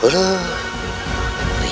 kenapa sopan sopan nyai